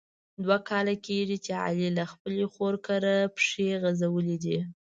دوه کاله کېږي چې علي له خپلې خور کره پښې غزولي دي.